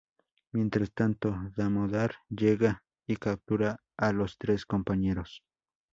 Mientras tanto, Damodar llega y captura a los tres compañeros.